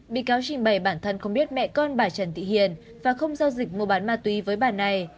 bị cáo trình bày bản thân không biết mẹ con bà trần thị hiền và không giao dịch mua bán ma túy với bà này